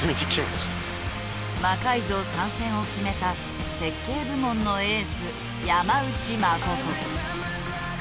「魔改造」参戦を決めた設計部門のエース山内誠。